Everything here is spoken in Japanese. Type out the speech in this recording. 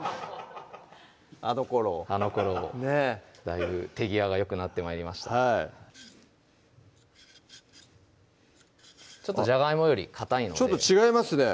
あのころをあのころをだいぶ手際がよくなって参りましたじゃがいもよりかたいのでちょっと違いますね